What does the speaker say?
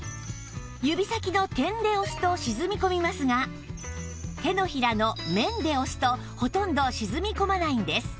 指先の点で押すと沈み込みますが手のひらの面で押すとほとんど沈み込まないんです